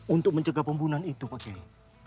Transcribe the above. untuk mencegah pembunuhan itu pak kiai